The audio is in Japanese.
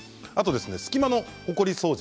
隙間のほこり掃除。